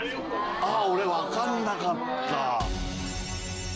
あっ俺わかんなかった。